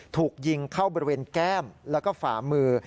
ถูกยิงเข้าบริเวณแก้มแล้วก็ฝ่ามือ